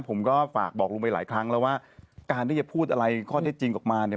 ผมก็ฝากบอกลุงไปหลายครั้งแล้วว่าการที่จะพูดอะไรข้อเท็จจริงออกมาเนี่ย